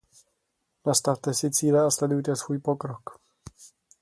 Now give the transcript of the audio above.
Nastavte si cíle a sledujte svůj pokrok.